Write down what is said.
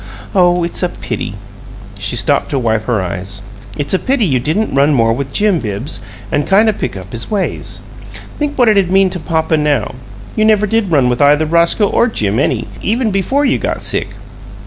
Oh, it's a pity " She stopped to wipe her eyes. "It's a pity you didn't run more with Jim, Bibbs, and kind o' pick up his ways. Think what it'd meant to papa now! You never did run with either Roscoe or Jim any, even before you got sick.